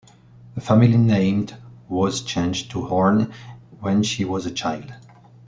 The family named was changed to Horne when she was a child.